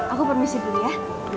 aku permisi dulu ya